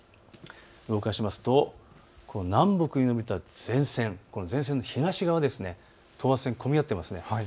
動かしますと南北に延びた前線、前線の東側、等圧線混み合っていますね。